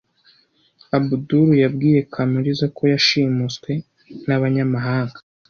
Abudul yabwiye Kamariza ko yashimuswe n’abanyamahanga.